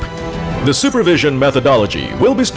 metodologi pengawasan akan diperkuat